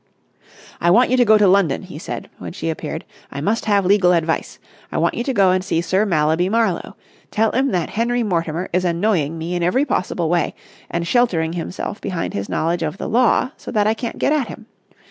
"I want you to go to London," he said, when she appeared. "I must have legal advice. I want you to go and see Sir Mallaby Marlowe. Tell him that Henry Mortimer is annoying me in every possible way and sheltering himself behind his knowledge of the law, so that I can't get at him.